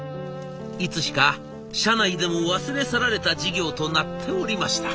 いつしか社内でも忘れ去られた事業となっておりました。